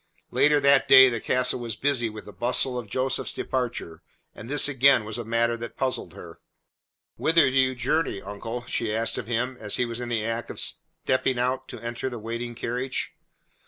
Later that day the castle was busy with the bustle of Joseph's departure, and this again was a matter that puzzled her. "Whither do you journey, uncle?" she asked of him as he was in the act of stepping out to enter the waiting carriage.